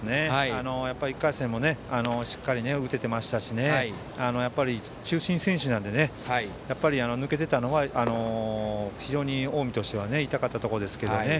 １回戦もしっかり打ててましたし中心選手なので、抜けてたのは非常に近江としては痛かったところですけどね。